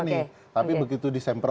belum langsung jadi hal utama